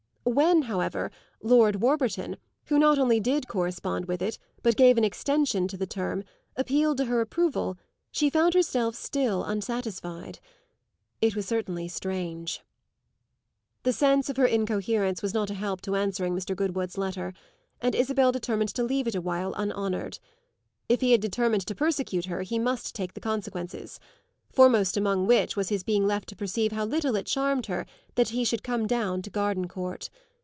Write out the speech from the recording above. When, however, Lord Warburton, who not only did correspond with it, but gave an extension to the term, appealed to her approval, she found herself still unsatisfied. It was certainly strange. The sense of her incoherence was not a help to answering Mr. Goodwood's letter, and Isabel determined to leave it a while unhonoured. If he had determined to persecute her he must take the consequences; foremost among which was his being left to perceive how little it charmed her that he should come down to Gardencourt.